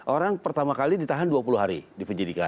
orang pertama kali ditahan dua puluh hari di penyidikan